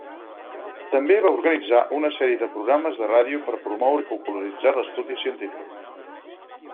També va organitzar una sèrie de programes de ràdio per promoure i popularitzar l'estudi científic.